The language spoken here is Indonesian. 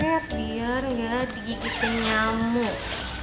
saket biar gak digigit nyamuk